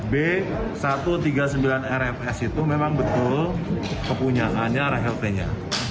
b satu ratus tiga puluh sembilan rfs itu memang betul kepunyaannya rahelt nya